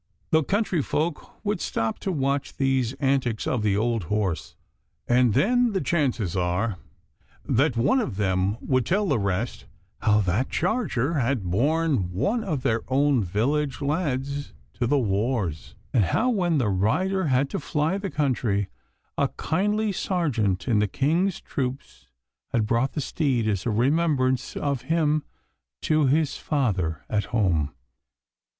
The country folk would stop to watch these antics of the old horse, and then the chances are that one of them would tell the rest how that charger had borne one of their own village lads to the wars, and how, when the rider had to fly the country, a kindly sergeant in the King's troops had brought the steed as a remembrance of him to his father at home.